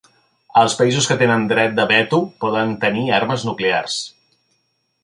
Els països que tenen dret de veto poden tenir armes nuclears.